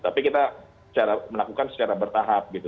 tapi kita melakukan secara bertahap gitu